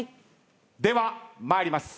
では参ります。